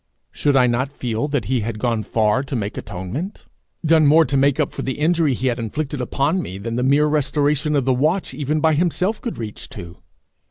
Should I not feel that he had gone far to make atonement done more to make up for the injury he had inflicted upon me, than the mere restoration of the watch, even by himself, could reach to?